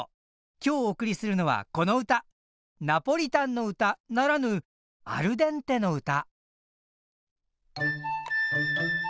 今日お送りするのはこの歌「ナポリタンの歌」ならぬ「アルデンテの唄」。